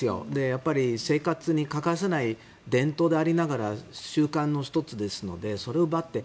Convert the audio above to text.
やっぱり生活に欠かせない伝統でありながら習慣の１つですのでそれを奪って。